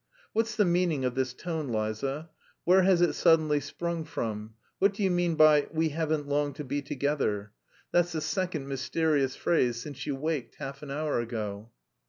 "What's the meaning of this tone, Liza? Where has it suddenly sprung from? What do you mean by 'we haven't long to be together'? That's the second mysterious phrase since you waked, half an hour ago."